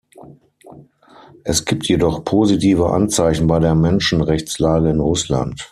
Es gibt jedoch positive Anzeichen bei der Menschenrechtslage in Russland.